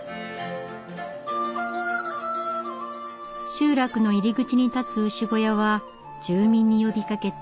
集落の入り口に建つ牛小屋は住民に呼びかけてみんなで改修。